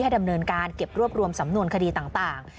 ดำเนินการเก็บรวบรวมสำนวนคดีต่าง